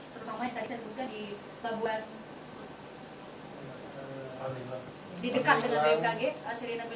terus sama yang tadi saya seduka di bagian